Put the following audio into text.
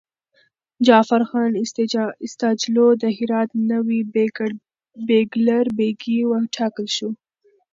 جعفرخان استاجلو د هرات نوی بیګلربيګي وټاکل شو.